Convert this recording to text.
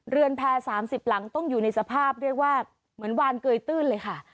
แพร๓๐หลังต้องอยู่ในสภาพเรียกว่าเหมือนวานเกยตื้นเลยค่ะ